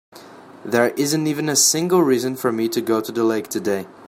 There isn't even a single reason for me to go to the lake today.